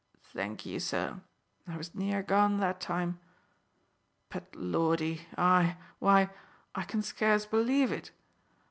"Thank ye, sir; I was near gone that time. But, Lordy I why, I can scarce believe it.